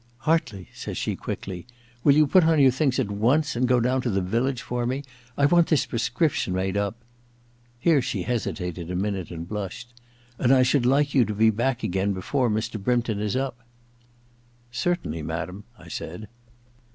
* Hartley,' says she quickly, *will you put on your things at once and go down to the village for me ? I want this prescription made up' — ^here she hesitated a minute and blushed — *and I should like you to be back again before Mr. Brympton is up.* * Certainly, madam,' I said.